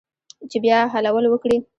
چې بیا حلول وکړي